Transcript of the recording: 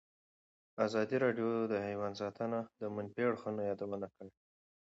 ازادي راډیو د حیوان ساتنه د منفي اړخونو یادونه کړې.